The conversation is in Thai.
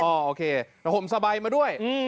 แล้วห่มสะใบมาด้วย